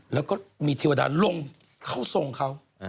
แล้วก็มีเทวดาลงเข้าทรงเขา